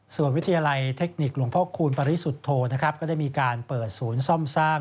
ส่วนวิทยาลัยเทคนิคหลวงพ่อคูณปริสุทธโธนะครับก็ได้มีการเปิดศูนย์ซ่อมสร้าง